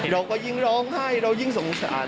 เราก็ยิ่งร้องไห้เรายิ่งสงสาร